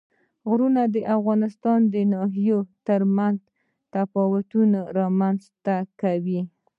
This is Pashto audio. غرونه د افغانستان د ناحیو ترمنځ تفاوتونه رامنځ ته کوي.